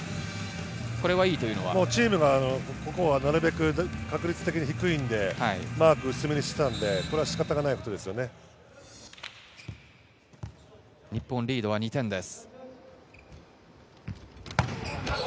チームはなるべく、確率的にここは低いからマークは薄めにしていたので、これは仕方ないこと日本リードは２点です。